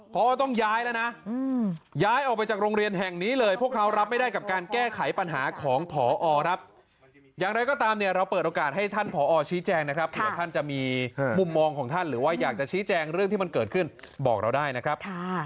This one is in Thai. พอต้องย้ายแล้วนะย้ายออกไปจากโรงเรียนแห่งนี้เลยพวกเขารับไม่ได้กับการแก้ไขปัญหาของพอครับอย่างไรก็ตามเนี่ยเราเปิดโอกาสให้ท่านผอชี้แจงนะครับเผื่อท่านจะมีมุมมองของท่านหรือว่าอยากจะชี้แจงเรื่องที่มันเกิดขึ้นบอกเราได้นะครับ